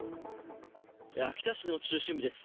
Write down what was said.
秋田市の中心部です。